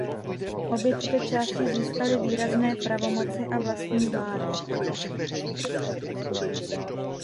Obě tyto části získaly výrazné pravomoci a vlastní vlády.